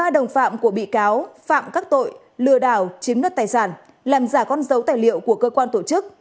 ba đồng phạm của bị cáo phạm các tội lừa đảo chiếm đất tài sản làm giả con dấu tài liệu của cơ quan tổ chức